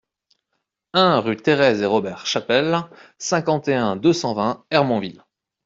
un rue Thérèse et Robert Chapelle, cinquante et un, deux cent vingt, Hermonville